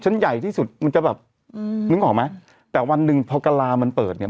ใหญ่ที่สุดมันจะแบบอืมนึกออกไหมแต่วันหนึ่งพอกะลามันเปิดเนี้ย